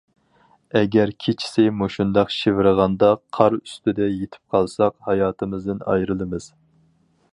ئەگەر كېچىسى مۇشۇنداق شىۋىرغاندا قار ئۈستىدە يېتىپ قالساق، ھاياتىمىزدىن ئايرىلىمىز.